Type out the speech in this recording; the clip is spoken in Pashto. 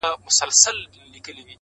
چي پر لاري برابر سي او سړی سي.!